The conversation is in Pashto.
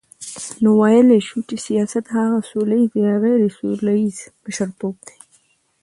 نو ویلای سو چی سیاست هغه سوله ییز یا غیري سوله ییز مشرتوب دی،